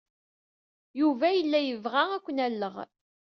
Yuba yella yebɣa ad ken-alleɣ.